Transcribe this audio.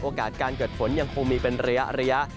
โอกาสการเกิดฝนยังคงมีเป็นเรียะ